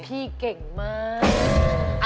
พี่เก่งมาก